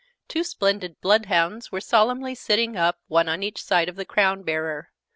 Two splendid Blood hounds were solemnly sitting up, one on each side of the crown bearer.